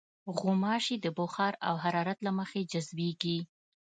غوماشې د بخار او حرارت له مخې جذبېږي.